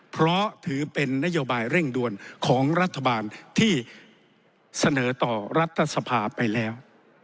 เพราะถือเป็นนโยบายเร่งด่วนของรัฐบาลที่เสนอต่อรัฐสภาไปแล้ว